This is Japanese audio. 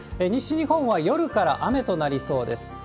西日本は夜から雨となりそうです。